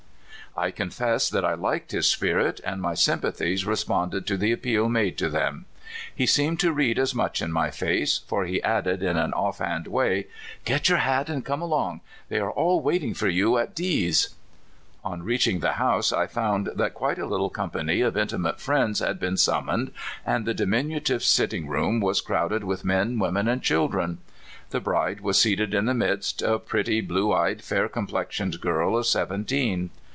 I confess that I liked his spirit, and my sympa thies responded to the appeal made to them. He seemed to read as much in my face, for he added in an offhand way: " Get your hat and come along. They are all waiting for you at D 's." On reaching the house I found that quite a little company of intimate friends had been sum moned, and the diminutive sitting room was crowded with men, women, and children. The bride was seated in the midst, a pretty, blue eyed, fair complexioned girl of seventeen.